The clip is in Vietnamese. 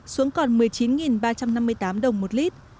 xuống còn một mươi chín ba trăm năm mươi tám đồng một lít